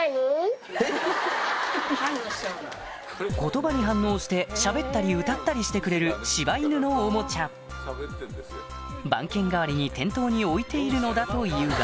言葉に反応してしゃべったり歌ったりしてくれる柴犬のおもちゃ番犬代わりに店頭に置いているのだというが